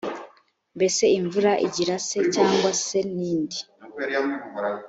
mbese imvura igira se cyangwa se ni nde.